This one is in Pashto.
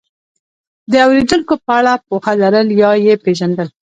د اورېدونکو په اړه پوهه لرل یا یې پېژندل،